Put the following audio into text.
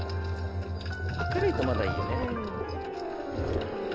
明るいとまだいいよね。